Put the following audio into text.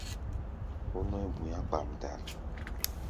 Ó nɔ̧́í̧ bu̧i̧á̧ kpamdal.